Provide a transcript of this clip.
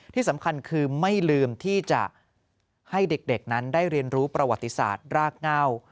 ที่สำคัญคือไม่ลืมที่จะให้เด็กนั้นได้เรียนรู้ประวัติศาสตร์รากเง่า